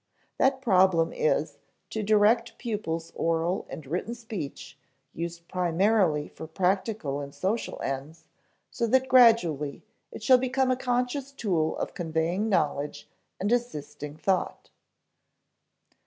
That problem is _to direct pupils' oral and written speech, used primarily for practical and social ends, so that gradually it shall become a conscious tool of conveying knowledge and assisting thought_.